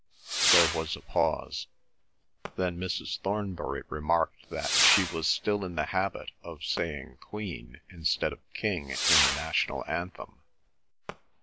There was a pause. Then Mrs. Thornbury remarked that she was still in the habit of saying Queen instead of King in the National Anthem.